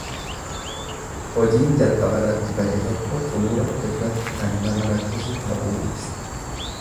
Hojiin calqabarratti bade tokko xumura irratti kan nama rakkisu ta'uu ibsa.